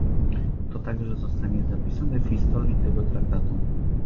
To także zostanie zapisane w historii tego Traktatu